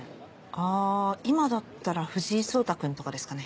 あ今だったら藤井聡太君とかですかね。